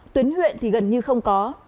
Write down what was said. tuyến huyện thì gần như không có